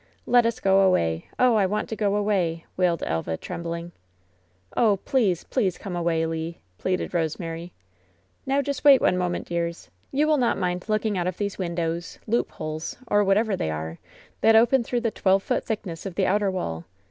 "Let us go away. Oh, I want to go away!'' wailed Elva, trembling. "Oh, please, please come away, Le," pleaded Eose mary. "Now just wait one moment, dears. You will not mind looking out of these windows, loopholes, or what ever they are, that open through the twelve foot thick ness of the outer wall.